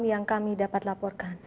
yang kami dapat laporkan